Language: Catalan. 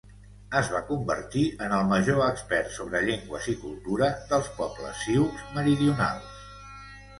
Es va convertir en el major expert sobre llengües i cultura dels pobles sioux meridionals.